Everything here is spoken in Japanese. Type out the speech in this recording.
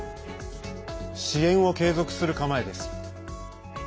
支援を継続する構えです。